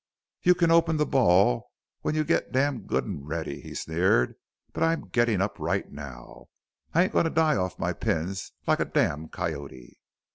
"You c'n open the ball when you get damn good an' ready," he sneered, "but I'm gettin' up right now. I ain't goin' to die off my pins like a damn coyote!"